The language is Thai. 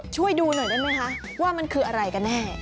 ช่วยดูหน่อยได้ไหมคะว่ามันคืออะไรกันแน่